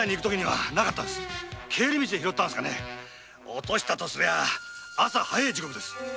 落としたとすりゃ朝早い時刻です